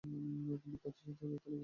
বিখ্যাত ছাত্রদের তালিকা